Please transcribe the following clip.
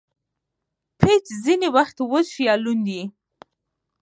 پيچ ځیني وخت وچ یا لوند يي.